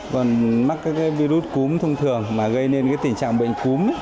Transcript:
còn mắc các cái virus cúm thông thường mà gây nên tình trạng bệnh cúm